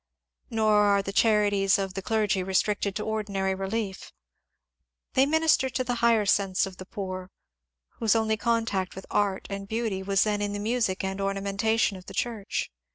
Nor are the charities of the clergy restricted to ordinary relief. They minister to the higher sense of the poor^ whose only contact with art and beauty was then in the music and ornamentation of the church.